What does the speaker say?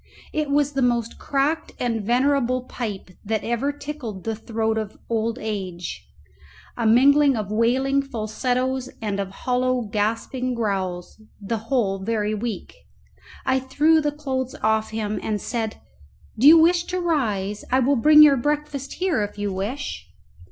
It was the most cracked and venerable pipe that ever tickled the throat of old age, a mingling of wailing falsettos and of hollow gasping growls, the whole very weak. I threw the clothes off him, and said, "Do you wish to rise? I will bring your breakfast here if you wish."